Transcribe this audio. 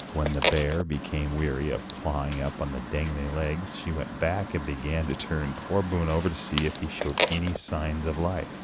When the bear became weary of clawing up at the dangling legs she went back and began to turn poor Boone over to see if he showed any signs of life.